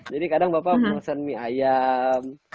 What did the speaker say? jadi kadang bapak pesan mie ayam